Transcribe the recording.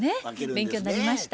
勉強になりました。